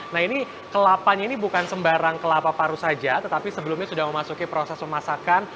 nah ini kelapanya ini bukan sembarang kelapa paru saja tetapi sebelumnya sudah memasuki proses memasakan